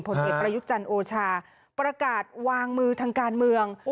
ผลเอกประยุทธ์จันทร์โอชาประกาศวางมือทางการเมือง